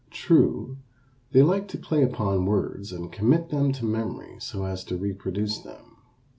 True, they like to play upon words and commit them to memory so as to reproduce them.